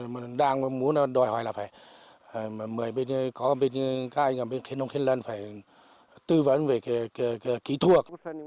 mình đang muốn đòi hỏi là phải có bên các anh ở bên khến nông khến lân phải tư vấn về cái kỹ thuật